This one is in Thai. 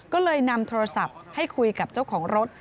ก็เลยนำโทรศัพท์ให้คุยกับเจ้าของรถ